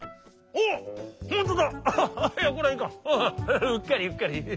うっかりうっかり。